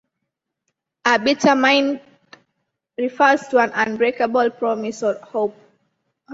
A 'Bitterbynde' refers to an unbreakable promise or oath.